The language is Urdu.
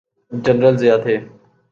جنرل ضیاء تھے۔